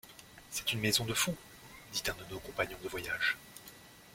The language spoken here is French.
C’est une maison de fous, dit un de nos compagnons de voyage.